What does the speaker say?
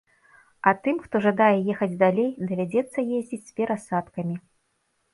А тым, хто жадае ехаць далей, давядзецца ездзіць з перасадкамі.